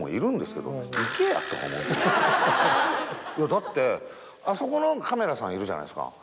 だってあそこのカメラさんいるじゃないすか。